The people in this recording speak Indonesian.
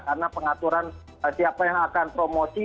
karena pengaturan siapa yang akan promosi